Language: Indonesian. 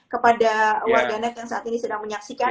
kepada warganet yang saat ini sedang menyaksikan